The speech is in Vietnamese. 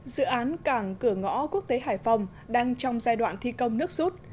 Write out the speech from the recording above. dự án cảng cửa ngõ quốc tế hải phòng đang trong giai đoạn thi công nước rút